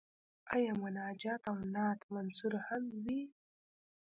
آیا مناجات او نعت منثور هم وي؟